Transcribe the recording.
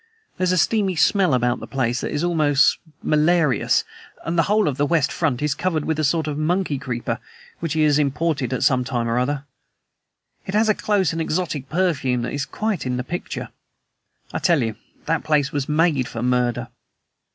There's a steamy smell about the place that is almost malarious, and the whole of the west front is covered with a sort of monkey creeper, which he has imported at some time or other. It has a close, exotic perfume that is quite in the picture. I tell you, the place was made for murder."